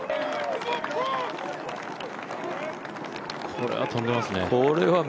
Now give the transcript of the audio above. これは飛んでますね。